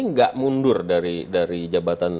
tidak mundur dari jabatan